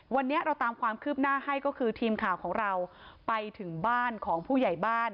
วันนี้เราตามความคืบหน้าให้ก็คือทีมข่าวของเราไปถึงบ้านของผู้ใหญ่บ้าน